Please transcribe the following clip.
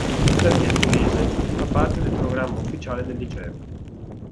Tuttavia, l'inglese fa parte del programma ufficiale del liceo.